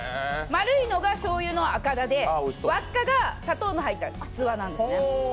丸いのがしょうゆのあかだで輪っかが砂糖の入ったくつわなんですね。